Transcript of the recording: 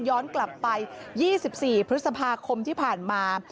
ย้อนกลับไป๒๔พฤษภาคมที่ผ่านมา